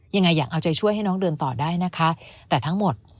ยังไงอยากเอาใจช่วยให้น้องเดินต่อได้นะคะแต่ทั้งหมด